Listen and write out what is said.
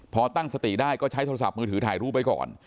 พอตั้งสติได้ก็ใช้โทรศัพท์มือถือถ่ายรูปไว้ก่อน